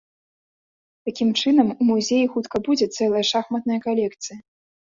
Такім чынам у музеі хутка будзе цэлая шахматная калекцыя.